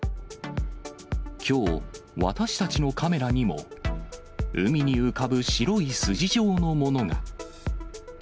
きょう、私たちのカメラにも、海に浮かぶ白い筋状のものが。